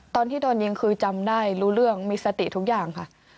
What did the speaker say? ตอนที่โดนยิงคือจำได้รู้เรื่องมีสติทุกอย่างค่ะ